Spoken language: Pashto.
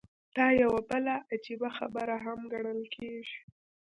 دا يوه بله عجيبه خبره هم ګڼل کېږي.